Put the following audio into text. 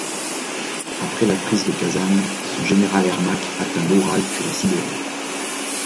Après la prise de Kazan, son général Ermak atteint l'Oural, puis la Sibérie.